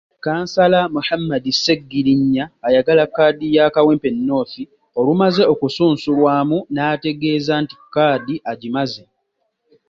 Kkansala Muhammad Sserigginya ayagala Kkaadi ya Kawempe North olumaze okusunsulwamu n'ategeeza nti kkaadi agimaze.